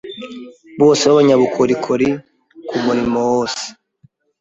bose b abanyabukorikori ku murimo wose